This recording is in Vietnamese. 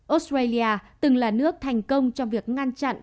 australia từng là nước thành công cho bệnh nhân nhiễm omicron